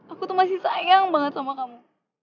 aku tuh masih sayang banget sama kamu